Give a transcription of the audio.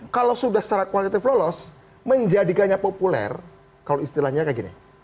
kalau sudah secara kualitatif lolos menjadikannya populer kalau istilahnya kayak gini